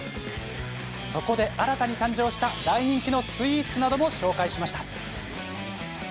そこで新たに誕生した大人気のスイーツなども紹介しました。